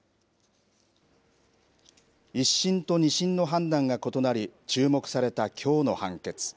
１審と２審の判断が異なり注目されたきょうの判決。